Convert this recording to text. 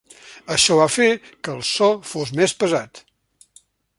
Això va fer que el so fos més pesat.